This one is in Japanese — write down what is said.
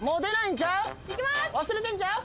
忘れてんちゃう？